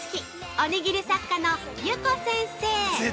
おにぎり作家のゆこ先生！